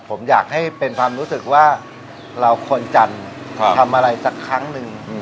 ผมอยากให้เป็นความรู้สึกว่าเราคนจันทร์ทำอะไรสักครั้งหนึ่ง